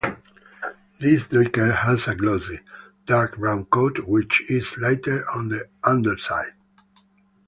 This duiker has a glossy, dark brown coat which is lighter on the underside.